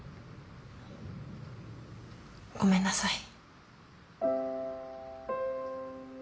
ごめんなさい。